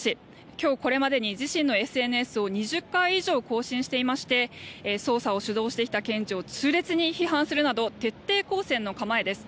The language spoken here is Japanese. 今日これまでに自身のＳＮＳを２０回以上更新していまして捜査を主導してきた検事を痛烈に批判するなど徹底抗戦の構えです。